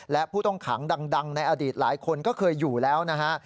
และผู้ต้องขังดังในอดีตหลายคนก็เคยอยู่แล้วนะฮะ